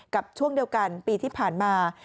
ช่วงเดียวกันปีที่ผ่านมา